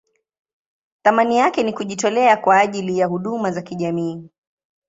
Thamani yake ni kujitolea kwa ajili ya huduma za kijamii.